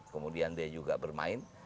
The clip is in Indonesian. kemudian dia juga bermain